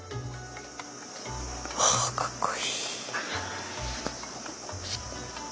はかっこいい。